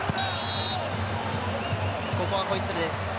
ここはホイッスルです。